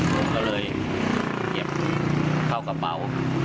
ผมก็เลยเก็บเข้ากระเป๋า